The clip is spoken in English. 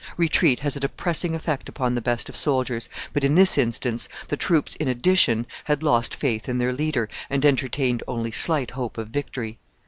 Retreat has a depressing effect upon the best of soldiers, but in this instance the troops, in addition, had lost faith in their leader and entertained only slight hope of victory.